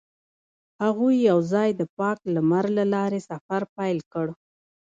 هغوی یوځای د پاک لمر له لارې سفر پیل کړ.